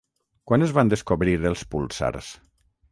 Quan es van descobrir els púlsars?